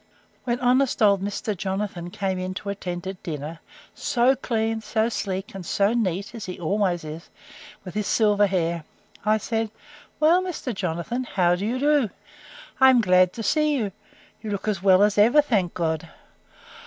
When honest old Mr. Jonathan come in to attend at dinner, so clean, so sleek, and so neat, as he always is, with his silver hair, I said, Well, Mr. Jonathan, how do you do? I am glad to see you.—You look as well as ever, thank God!